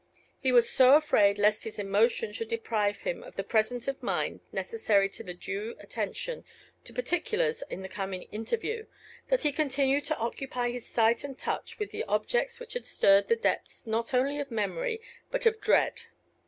He was so afraid lest his emotion should deprive him of the presence of mind necessary to the due attention to particulars in the coming interview, that he continued to occupy his sight and touch with the objects which had stirred the depths, not only of memory, but of dread.